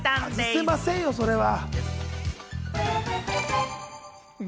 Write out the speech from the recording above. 外せませんよ、それは。